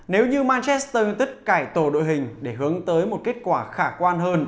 nếu như manchester united cải tổ đội hình để hướng tới một kết quả khả quan hơn